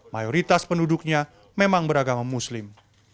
mayoritas penduduknya memang beragama muslim